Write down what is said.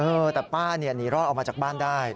เออแต่ป้าเนี่ยหนีรอดออกมาจากบ้านได้